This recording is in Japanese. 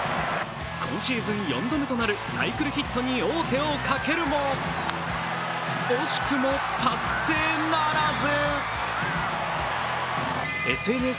今シーズン４度目となるサイクルヒットに王手をかけるも惜しくも達成ならず。